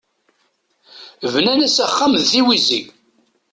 Bnan-as axxam d tiwizi.